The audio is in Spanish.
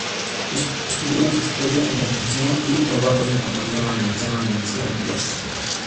Estudió magisterio en Valencia y trabajó en la Compañía Valenciana de Tranvías.